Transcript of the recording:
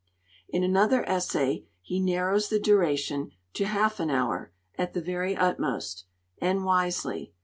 In another essay he narrows the duration to 'half an hour, at the very utmost'; and wisely.